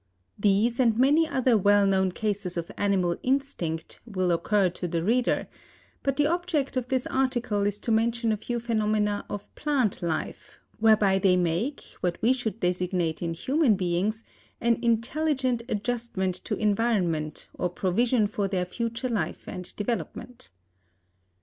These and many other well known cases of animal instinct will occur to the reader, but the object of this article is to mention a few phenomena of plant life, whereby they make, what we should designate in human beings, an intelligent adjustment to environment or provision for their future life and development.